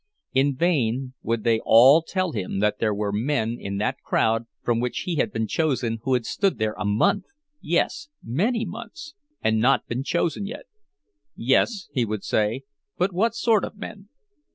In vain would they all tell him that there were men in that crowd from which he had been chosen who had stood there a month—yes, many months—and not been chosen yet. "Yes," he would say, "but what sort of men?